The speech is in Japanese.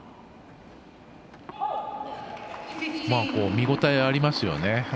見応えがありますよね。